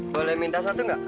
boleh minta satu gak